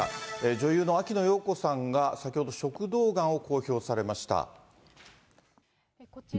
女優の秋野暢子さんが、先ほど食道がんを公表されました。